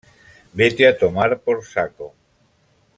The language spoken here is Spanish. Vete a tomar por saco